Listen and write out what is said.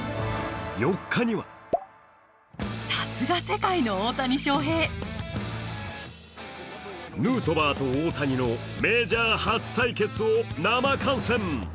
４日にはヌートバーと大谷のメジャー初対決を生観戦。